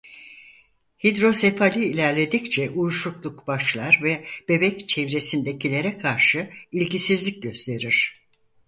Hidrosefali ilerledikçe uyuşukluk başlar ve bebek çevresindekilere karşı ilgisizlik gösterir.